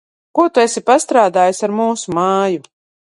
Ko tu esi pastrādājusi ar mūsu māju?